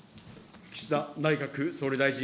岸田内閣総理大臣。